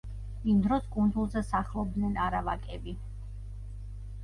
იმ დროს კუნძულზე სახლობდნენ არავაკები.